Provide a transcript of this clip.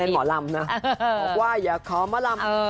เต้นหมอรำนะบอกว่าอย่าขอหมอรำ